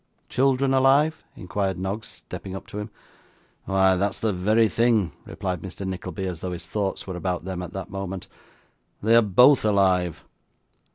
'Children alive?' inquired Noggs, stepping up to him. 'Why, that's the very thing,' replied Mr. Nickleby, as though his thoughts were about them at that moment. 'They are both alive.